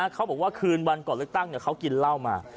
เขาบอกว่าคืนวันก่อนเลือกตั้งเขากินเหล้ามา